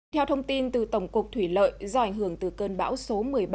theo thông tin từ tổng cục thủy lợi do ảnh hưởng từ cơn bão số một mươi ba